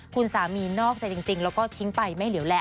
คุณสามีนอกใจจริงแล้วก็ทิ้งไปไม่เหลวแล